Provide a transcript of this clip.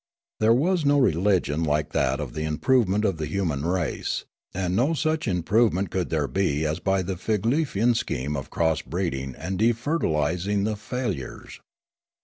There was no religion like that of the improvement of the human race ; and no such improvement could there be as by the Figlefian scheme of cross breeding and defertilising the fail ures.